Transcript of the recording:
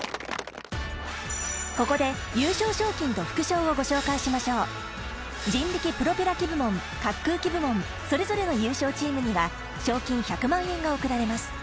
ここで優勝賞金と副賞をご紹介しましょうそれぞれの優勝チームには賞金１００万円が贈られます